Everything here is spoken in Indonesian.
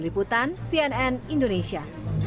liputan cnn indonesia